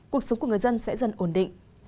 cuộc sống của người dân sẽ dần ổn định